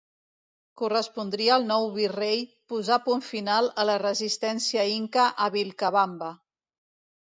Correspondria al nou Virrei posar punt final a la resistència inca a Vilcabamba.